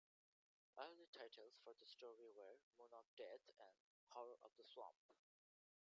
Early titles for the story were "Moon of Death" and "Horror of the Swamp".